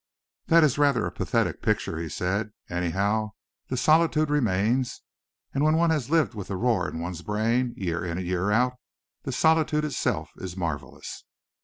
"That is rather a pathetic picture," he said. "Anyhow, the solitude remains, and when one has lived with the roar in one's brain, year in and year out, the solitude itself is marvelous."